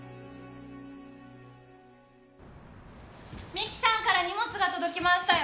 美貴さんから荷物が届きましたよ。